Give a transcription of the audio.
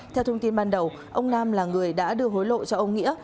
theo thông tin ban đầu ông nam là người đã đưa hối lộ cho ông nghĩa